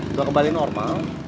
udah kembali normal